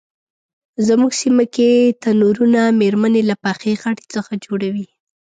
زمونږ سیمه کې تنرونه میرمنې له پخې خټې څخه جوړوي.